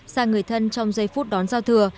sang người thân trong giây phút đón giao thừa